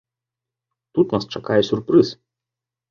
Тут нас чакае сюрпрыз.